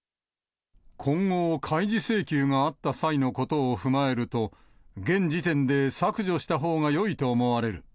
今後、開示請求があった際のことを踏まえると、現時点で削除したほうがよいと思われる。